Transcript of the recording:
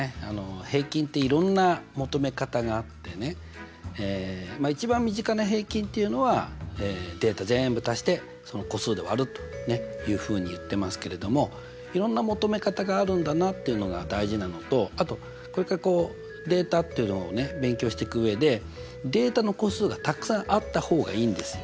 平均っていろんな求め方があってねまあ一番身近な平均っていうのはデータぜんぶ足してその個数で割るというふうに言ってますけれどもいろんな求め方があるんだなっていうのが大事なのとあとこれからこうデータっていうのを勉強していく上でデータの個数がたくさんあった方がいいんですよ。